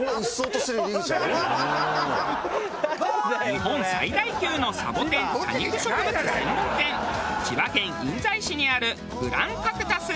日本最大級のサボテン多肉植物専門店千葉県印西市にあるグランカクタス。